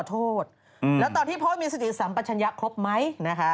แล้วตอนที่โพสต์มีสิทธิศัมย์ประชัญญะครบไหม